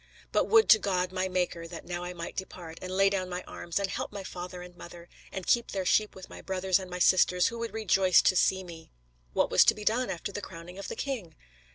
But would to God, my Maker, that now I might depart, and lay down my arms, and help my father and mother, and keep their sheep with my brothers and my sisters, who would rejoice to see me!" What was to be done after the crowning of the king?